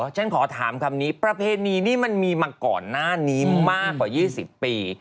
ฉันขอถามคำนี้ประเพณีนี้มันมีมาก่อนหน้านี้มากกว่า๒๐ปี